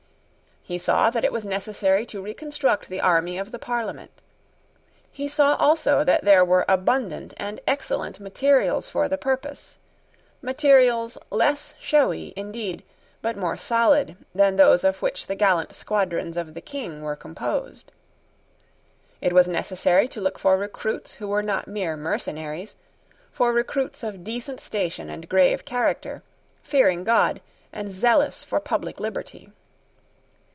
He saw that it was necessary to reconstruct the army of the Parliament. He saw also that there were abundant and excellent materials for the purpose, materials less showy, indeed, but more solid, than those of which the gallant squadrons of the King were composed. It was necessary to look for recruits who were not mere mercenaries, for recruits of decent station and grave character, fearing God and zealous for public liberty.